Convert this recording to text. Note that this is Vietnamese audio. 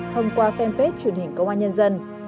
thông qua fanpage truyền hình công an nhân dân